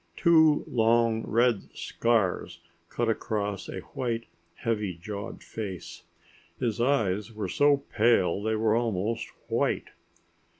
Two long red scars cut across a white heavy jawed face. His eyes were so pale they were almost white.